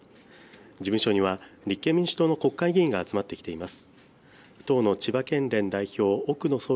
事務所には立憲民主党の国会議員が集まってきています。